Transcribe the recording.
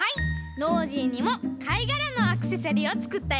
ノージーにもかいがらのアクセサリーをつくったよ！